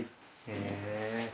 へえ。